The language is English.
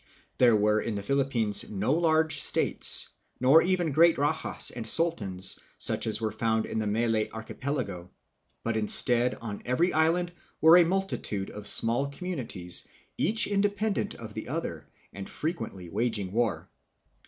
There were in the Philippines no large states, nor even great rajas and sultans such as were found in the Malay Archipelago, but instead on every island were a multitude of small communities, each independent of the other and frequently waging war.